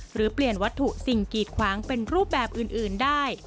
หรือเปลี่ยนวัตถุสิ่งกีดขวางเป็นรูปแบบอื่นได้